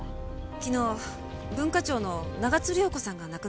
昨日文化庁の長津涼子さんが亡くなられました。